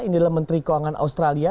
ini adalah menteri keuangan australia